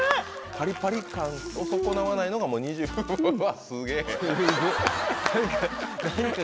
パリパリ感を損なわないのがもう２０うわすげぇ。